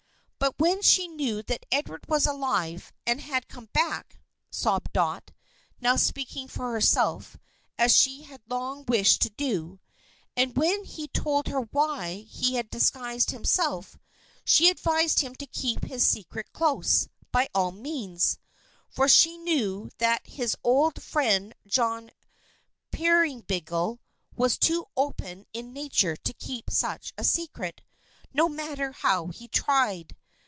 "But when she knew that Edward was alive, and had come back," sobbed Dot, now speaking for herself, as she had long wished to do, "and when he told her why he had disguised himself, she advised him to keep his secret close, by all means; for she knew that his old friend, John Peerybingle, was too open in his nature to keep such a secret, no matter how he tried.